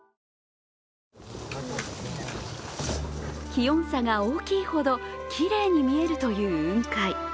気温差が大きいほどきれいに見えるという雲海。